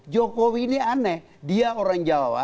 jokowi ini aneh dia orang jawa